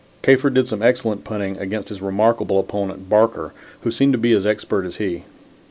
Kafer did some excellent punting against his remarkable opponent Barker, who seemed to be as expert as he.